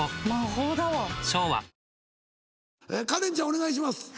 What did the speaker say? お願いします。